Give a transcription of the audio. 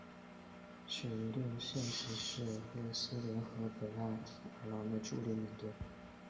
史奴顿现时是列斯联和北爱尔兰的助理领队。